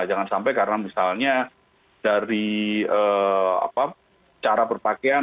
jangan sampai karena misalnya dari cara berpakaian